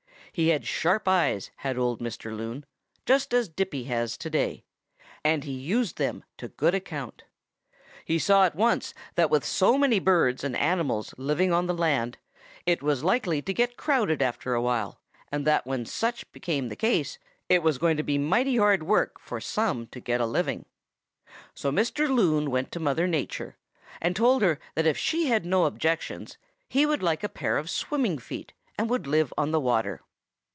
He had sharp eyes, had old Mr. Loon, just as Dippy has today, and he used them to good account. He saw at once that with so many birds and animals living on the land it was likely to get crowded after a while, and that when such became the case, it was going to be mighty hard work for some to get a living. So Mr. Loon went to Mother Nature and told her that if she had no objections he would like a pair of swimming feet and would live on the water.